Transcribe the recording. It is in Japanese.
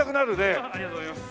ありがとうございます。